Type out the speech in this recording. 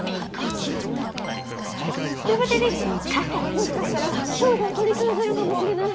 もしかしたら商標取り返せるかもしれない！